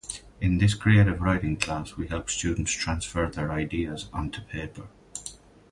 In this creative writing class, we help students transfer their ideas onto paper.